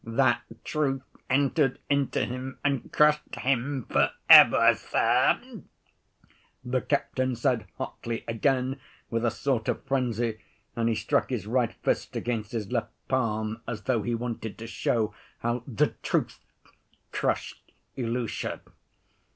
That truth entered into him and crushed him for ever, sir," the captain said hotly again with a sort of frenzy, and he struck his right fist against his left palm as though he wanted to show how "the truth" crushed Ilusha.